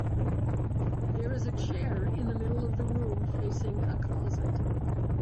There is a chair in the middle of the room facing a closet.